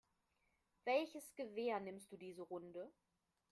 Welches Gewehr nimmst du diese Runde?